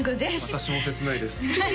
私も切ないです